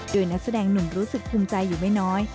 โดยนักแสดงหนุ่มรู้สึกภูมิใจอยู่ไม่น้อย